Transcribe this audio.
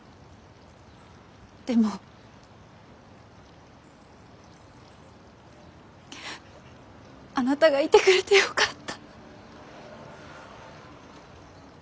でもあなたがいてくれてよかった。